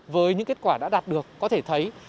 với những kết quả đã đạt được có thể thấy